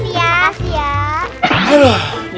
makasih ya bisnisnya